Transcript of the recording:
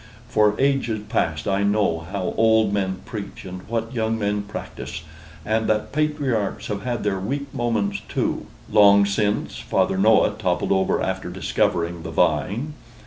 For ages past, I know how old men preach, and what young men practise; and that patriarchs have had their weak moments too, long since Father Noah toppled over after discovering the vine.